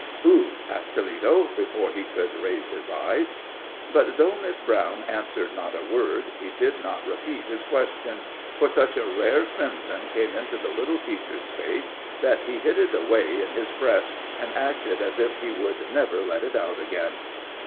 "Who?" asked Toledo, before he could raise his eyes. But though Miss Brown answered not a word, he did not repeat his question, for such a rare crimson came into the little teacher's face, that he hid it away in his breast, and acted as if he would never let it out again.